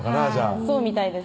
はいそうみたいです